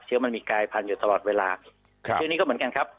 มันมีกายพันธุ์อยู่ตลอดเวลาครับเชื้อนี้ก็เหมือนกันครับ